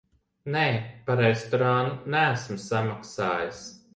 Nē, par restorānu neesmu samaksājis.